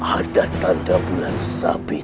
ada tanda bulan sabit